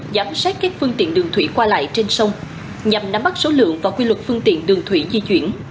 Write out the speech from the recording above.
giám sát các phương tiện đường thủy qua lại trên sông nhằm nắm bắt số lượng và quy luật phương tiện đường thủy di chuyển